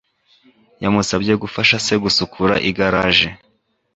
yamusabye gufasha se gusukura igaraje